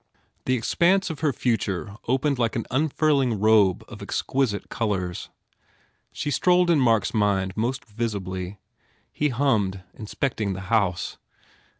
The expanse of her future opened like an unfurling robe of exquisite colours. She strolled in Mark s mind most visibly. He hummed, inspecting his house.